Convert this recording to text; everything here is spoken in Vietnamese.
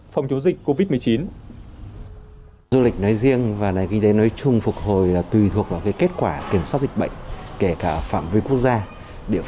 phòng chống dịch covid một mươi chín